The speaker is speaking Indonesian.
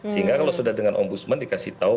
sehingga kalau sudah dengan ombudsman dikasih tahu